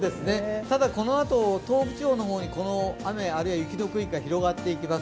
ただこのあと、東北地方の方にこの雨、あるいは雪の区域が広がっていきます。